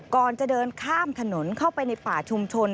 ก่อนจะเดินข้ามถนนเข้าไปในป่าชุมชน